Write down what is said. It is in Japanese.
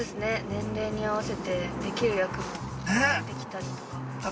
年齢に合わせてできる役も増えてきたりとか。